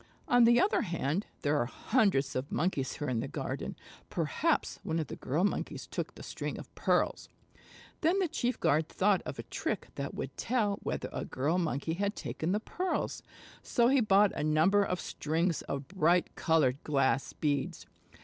On the other hand, there are hundreds of Monkeys here in the garden. Perhaps one of the Girl Monkeys took the string of pearls." Then the chief guard thought of a trick that would tell whether a Girl Monkey had taken the pearls. So he bought a number of strings of bright colored glass beads.